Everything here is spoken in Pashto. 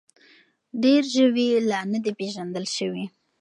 ډېر ژوي لا نه دي پېژندل شوي.